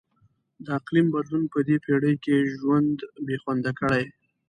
د اقلیم بدلون به په دې پیړۍ کې ژوند بیخونده کړي.